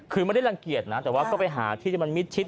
คือไม่ได้รังเกียจนะแต่ว่าก็ไปหาที่ที่มันมิดชิด